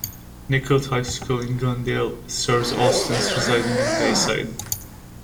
Nicolet High School in Glendale serves all students residing in Bayside.